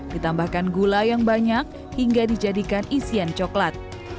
ditambahkan gula yang banyak hingga dijadikan isian coklat